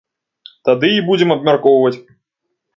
Тады і будзем абмяркоўваць!